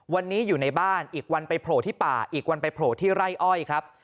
วันนี้อยู่ในบ้านอีกวันไปโผล่ที่ป่าอีกวันไปโผล่ที่ไร่อ้อยครับ